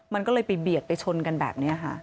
มันก็เลยไปเบียดไปชนกันแบบนี้ค่ะ